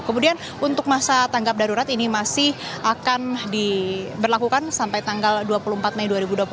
kemudian untuk masa tanggap darurat ini masih akan diberlakukan sampai tanggal dua puluh empat mei dua ribu dua puluh satu